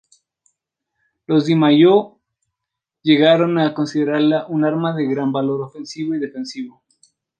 Los daimyō llegaron a considerarla un arma de gran valor ofensivo-defensivo.